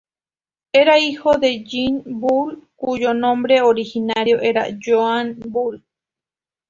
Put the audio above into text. Era hijo de Jean Boulle, cuyo nombre originario era "Johan Bolt".